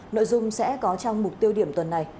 nội dung sẽ có trong mục tiêu điểm tuần này